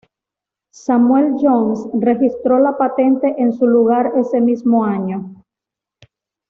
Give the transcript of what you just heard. Samuel Jones registró la patente en su lugar ese mismo año.